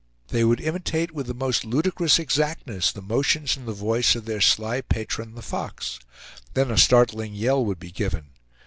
They would imitate with the most ludicrous exactness the motions and the voice of their sly patron the fox. Then a startling yell would be given.